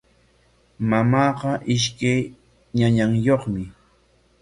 Mamaaqa ishkay ñañayuqmi.